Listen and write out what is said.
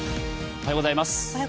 おはようございます。